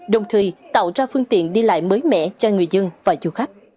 đồng thời tạo ra phương tiện đi lại mới mẻ cho người dân và du khách